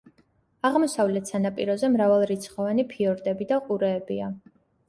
აღმოსავლეთ სანაპიროზე მრავალრიცხოვანი ფიორდები და ყურეებია.